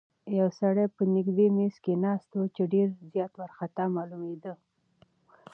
یو سړی په نږدې میز کې ناست و چې ډېر زیات وارخطا معلومېده.